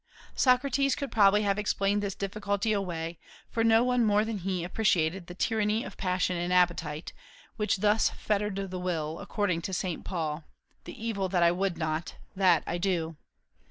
Socrates could probably have explained this difficulty away, for no one more than he appreciated the tyranny of passion and appetite, which thus fettered the will; according to St. Paul, "The evil that I would not, that I do."